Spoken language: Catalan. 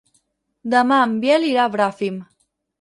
Demà en Biel irà a Bràfim.